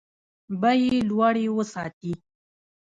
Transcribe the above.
بیې لوړې وساتي.